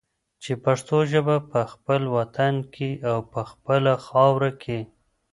چې پښتو ژبه په خپل وطن کې او په خپله خاوره کې